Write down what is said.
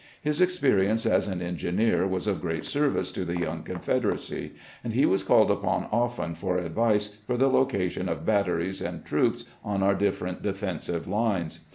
His experience as an engineer was of great service to the young Confederacy, and he was called upon often for ad^vice for the location of batteries and troops on our different defensive lines.